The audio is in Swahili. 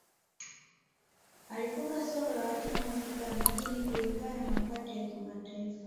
Alifunga soko la watumwa Zanzibar mjini kulingana na mapatano ya kimataifa